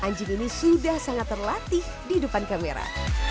anjing ini sudah sangat terlatih di depan kamera